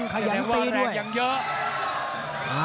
ขยันตีด้วยแต่ว่าแรงยังเยอะ